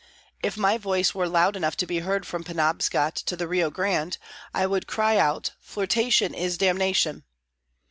If my voice were loud enough to be heard from Penobscot to the Rio Grande, I would cry out "Flirtation is damnation."